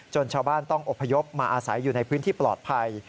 ชาวบ้านต้องอบพยพมาอาศัยอยู่ในพื้นที่ปลอดภัย